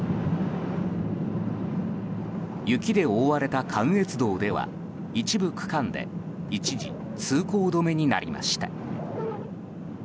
雪で覆われた関越道では一部区間で一時、通行止めになりました。